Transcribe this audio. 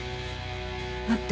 待って。